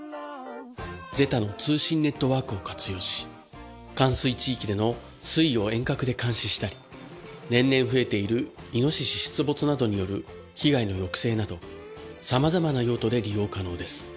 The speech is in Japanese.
ＺＥＴＡの通信ネットワークを活用し冠水地域での水位を遠隔で監視したり年々増えているイノシシ出没などによる被害の抑制などさまざまな用途で利用可能です。